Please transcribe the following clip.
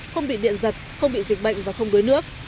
không bị điện giật không bị dịch bệnh và không đuối nước